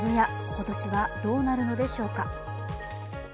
今年はどうなるのでしょうか。